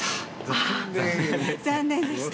あ残念でした。